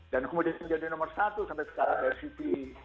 dan kemudian menjadi nomor satu sampai sekarang dari cp